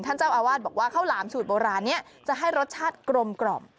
เจ้าอาวาสบอกว่าข้าวหลามสูตรโบราณนี้จะให้รสชาติกลม